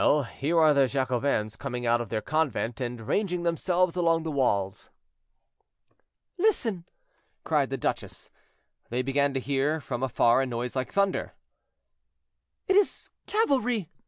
here are the Jacobins coming out of their convent, and ranging themselves along the walls." "Listen!" cried the duchess. They began to hear from afar a noise like thunder. "It is cavalry!"